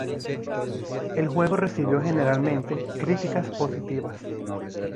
El juego recibió generalmente críticas positivas.